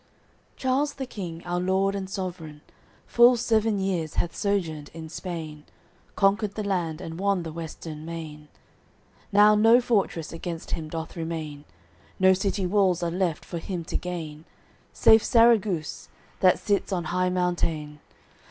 I Charles the King, our Lord and Sovereign, Full seven years hath sojourned in Spain, Conquered the land, and won the western main, Now no fortress against him doth remain, No city walls are left for him to gain, Save Sarraguce, that sits on high mountain.